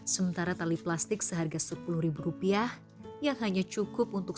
sementara tali plastik seharga sepuluh rupiah yang hanya cukup untuk